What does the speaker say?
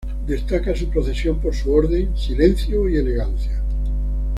Destaca su procesión por su orden, silencio y elegancia.